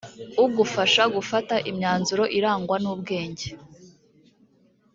ugufashe gufata imyanzuro irangwa n ubwenge